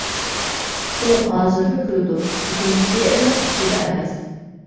ئۇ ھازىرمۇ كۈلىدۇ، لېكىن شېئىرنىڭ ئىچىدە ئەمەس.